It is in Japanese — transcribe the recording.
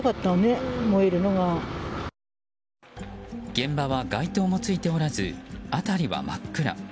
現場は街灯もついておらず辺りは真っ暗。